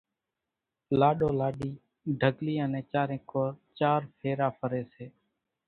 لاڏو لاڏِي ڍڳليان نين چارين ڪور چار ڦيرا ڦري سي۔